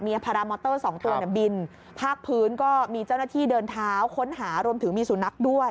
พารามอเตอร์สองตัวเนี่ยบินภาคพื้นก็มีเจ้าหน้าที่เดินเท้าค้นหารวมถึงมีสุนัขด้วย